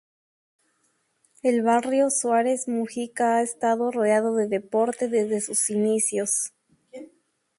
El Barrio Suárez Mujica ha estado rodeado de deporte desde sus inicios.